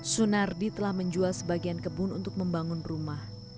sunardi telah menjual sebagian kebun untuk membangun rumah